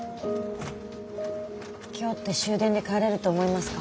今日って終電で帰れると思いますか？